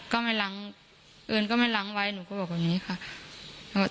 ก็ไม่ล้างเอิญก็ไม่ล้างไว้หนูก็บอกแบบนี้ค่ะ